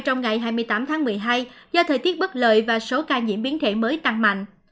trong ngày hai mươi tám tháng một mươi hai do thời tiết bất lợi và số ca nhiễm biến thể mới tăng mạnh